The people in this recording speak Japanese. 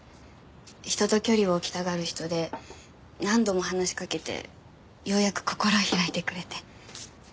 人と距離を置きたがる人で何度も話しかけてようやく心を開いてくれて。